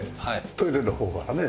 トイレのほうからね